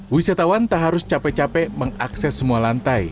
wisatawan tak harus capek capek mengakses semua lantai